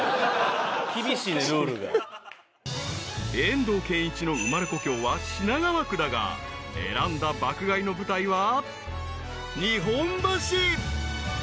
［遠藤憲一の生まれ故郷は品川区だが選んだ爆買いの舞台は］